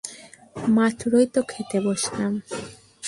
মাত্রই তো খেতে বসলাম!